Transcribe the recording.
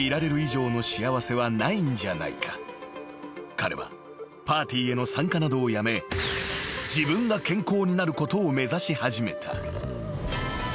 ［彼はパーティーへの参加などをやめ自分が健康になることを目指し始めた］